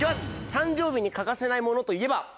「誕生日に欠かせないものといえば？」。